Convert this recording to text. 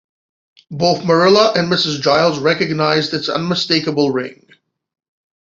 Both Marilla and Mrs. Giles recognized its unmistakable ring.